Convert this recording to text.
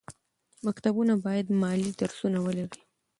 مکتبونه باید مالي درسونه ولري.